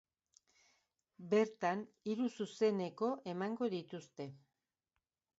Bertan hiru zuzeneko emango dituzte.